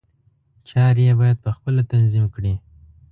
چارې یې باید په خپله تنظیم کړي.